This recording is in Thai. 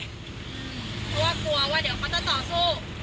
เพราะว่ากลัวว่าเดี๋ยวเขาจะต่อสู้